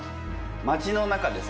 街の中でさ